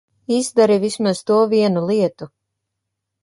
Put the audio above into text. Izdari vismaz to vienu lietu!